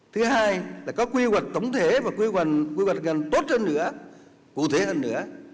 thứ hai là có quy hoạch tổng thể và quy hoạch ngành tốt hơn nữa cụ thể hơn nữa